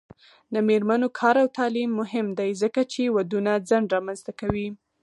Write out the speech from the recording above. د میرمنو کار او تعلیم مهم دی ځکه چې ودونو ځنډ رامنځته کوي.